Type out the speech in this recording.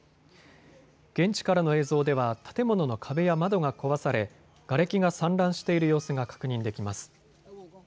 現地からの映像では建物の壁や窓が壊されがれきが散乱している様子が確認できます。